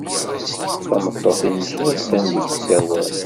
Tameṭṭut-nnek attan deg usawal.